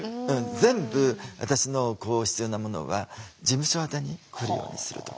全部私の必要なものは事務所宛に来るようにするとか。